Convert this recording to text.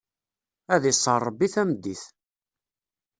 Ad iṣṣer Ṛebbi tameddit!